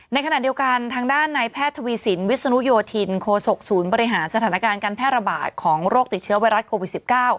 ในขณะเดียวกันทางด้านในแพทย์ทวีสินวิศนุโยธินโคศกศูนย์บริหารสถานการณ์การแพร่ระบาดของโรคติดเชื้อไวรัสโควิด๑๙